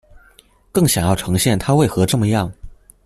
更想要呈現他為何這麼樣